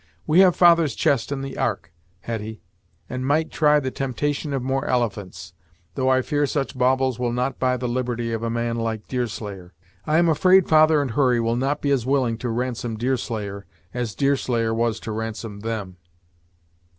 We have father's chest in the ark, Hetty, and might try the temptation of more elephants; though I fear such baubles will not buy the liberty of a man like Deerslayer. I am afraid father and Hurry will not be as willing to ransom Deerslayer, as Deerslayer was to ransom them!"